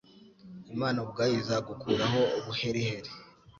Imana ubwayo izagukuraho buheriheri